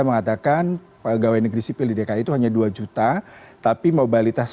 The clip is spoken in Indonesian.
mengatakan pegawai negeri sipil di dki itu hanya dua juta tapi mobilitas